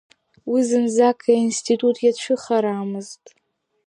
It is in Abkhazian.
Уи зынӡак аинститут иацәыхарамызт.